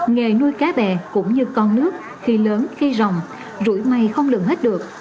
nghề nuôi cá bè cũng như con nước khi lớn khi rồng rũi mây không lừng hết được